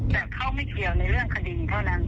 แต่เขาไม่เกี่ยวในเรื่องคดีเท่านั้น